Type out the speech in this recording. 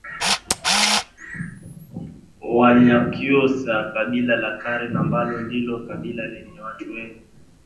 Wanyakyusa Kabila la Karen ambalo ndilo kabila lenye watu wengi